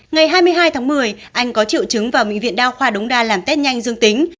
ngày hai mươi hai tháng một mươi anh có triệu chứng vào bệnh viện đa khoa đống đa làm test nhanh dương tính